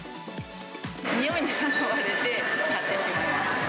匂いに誘われて買ってしまいます。